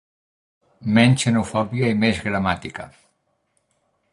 Menys xenofòbia i més gramàtica